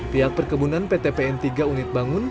pihak perkebunan ptpn tiga unit bangun